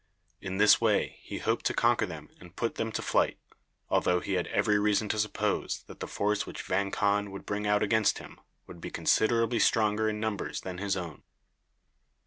In this way he hoped to conquer them and put them to flight, although he had every reason to suppose that the force which Vang Khan would bring out against him would be considerably stronger in numbers than his own.